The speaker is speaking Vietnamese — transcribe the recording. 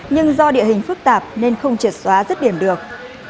nhưng do địa hình phức tạp nên không triệt xóa rứt điểm được